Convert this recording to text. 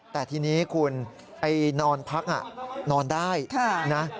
แต่ทีนี้คุณไอ้นอนพักนอนได้นะ